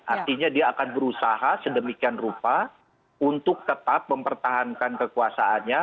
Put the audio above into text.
artinya dia akan berusaha sedemikian rupa untuk tetap mempertahankan kekuasaannya